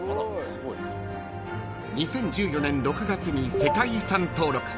［２０１４年６月に世界遺産登録］